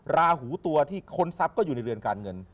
ราหูตัวที่ค้นทรัพย์ก็อยู่ในเรือนการเงิน